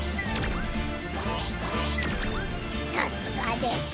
さすがです。